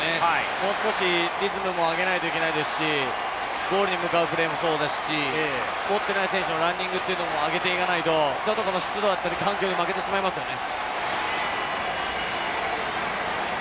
もう少しリズムを上げないといけないですし、ゴールに向かうプレーもそうですし、持ってない選手のランニングというところも上げていかないと、ちょっと湿度だったり、環境に負けてしまいますよね。